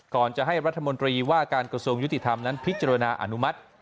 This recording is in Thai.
ก่อนจะให้รัฐมนตรีว่าการกระทรวงยุติธรรมนั้นพิจารณาอนุมัติ